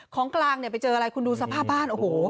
ของกลางเนี่ยไปเจออะไรคุณดูสภาพบ้านโอ้โห